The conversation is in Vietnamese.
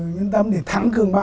nhân tâm để thắng cường bạo